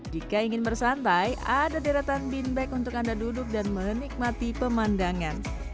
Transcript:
jika ingin bersantai ada deretan binbag untuk anda duduk dan menikmati pemandangan